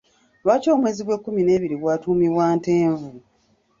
Lwaki omwezi gw'ekkumi n'ebiri gwatuumibwa Ntenvu?